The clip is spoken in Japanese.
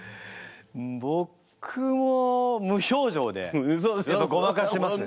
僕も無表情でやっぱごまかしますね。